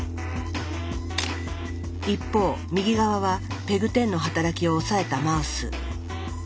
一方右側はＰＥＧ１０の働きを抑えたマウス。